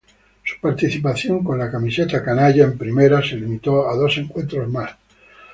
Su participación con la camiseta "canalla" en primera se limitó a dos encuentros más.